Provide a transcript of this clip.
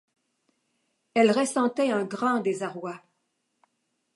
Elle ressentait un grand désarroi.